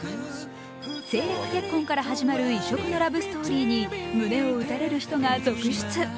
政略結婚から始まる異色のラブストーリーに胸を打たれる人が続出。